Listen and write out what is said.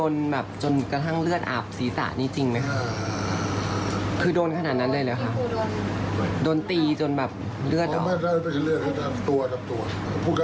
แล้วใผมเนี่ยไม่มีแผนไม่มีแผนการอะไรเลยไม่มีเลย